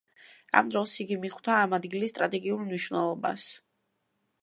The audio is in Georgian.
ამ დროს იგი მიხვდა ამ ადგილის სტრატეგიულ მნიშვნელობას.